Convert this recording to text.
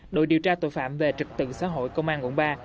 đội điều tra tội phạm về trực tượng xã hội công an quận ba